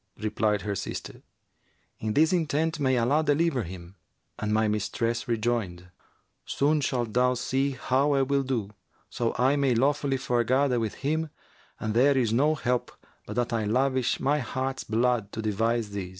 Replied her sister, "In this intent may Allah deliver him!"; and my mistress rejoined, 'Soon shalt thou see how I will do, so I may lawfully foregather with him and there is no help but that I lavish my heart's blood to devise this.'